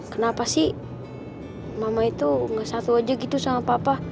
kenapa sih mama itu gak satu aja gitu sama papa